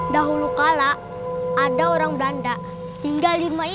dahulu kala ada orang belanda tinggal di rumah itu